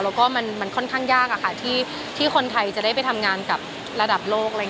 แล้วก็มันค่อนข้างยากที่คนไทยจะได้ไปทำงานกับระดับโลก